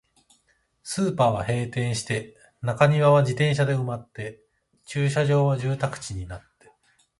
スーパーは閉店して、中庭は自転車で埋まって、駐車場は住宅地になって、